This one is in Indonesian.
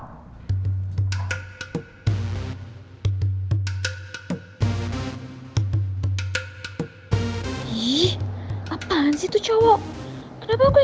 dan pernah menemukan ipa